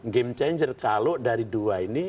game changer kalau dari dua ini